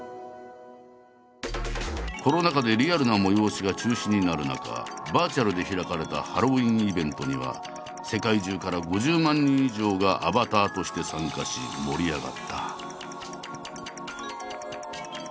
コロナ禍でリアルな催しが中止になる中バーチャルで開かれたハロウィーンイベントには世界中から５０万人以上がアバターとして参加し盛り上がった。